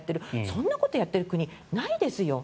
そんなことをやっている国ないんですよ。